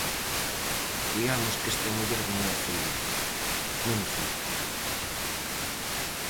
Digamos que esta muller non é feliz, non o foi.